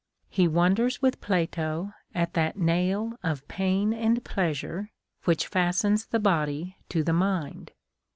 He wonders with Plato at that nail of pain and pleasure which fastens the body to the mind.